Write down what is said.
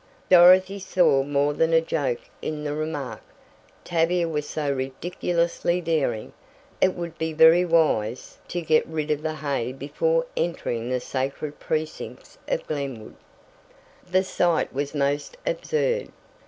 Dorothy saw more than a joke in the remark. Tavia was so ridiculously daring! It would be very wise to get rid of the hay before entering the sacred precincts of Glenwood. The sight was most absurd.